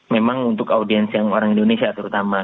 memang untuk audiens yang orang indonesia terutama